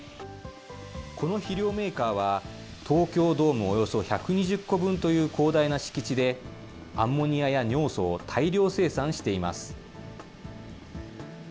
この肥料メーカーは、東京ドームおよそ１２０個分という広大な敷地で、アンモニアや尿素を大量生産しています。